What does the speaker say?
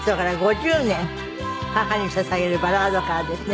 『母に捧げるバラード』からですね。